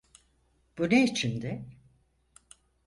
Bu ne içindi?